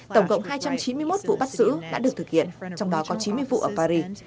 tổng cộng hai trăm chín mươi một vụ bắt giữ đã được thực hiện trong đó có chín mươi vụ ở paris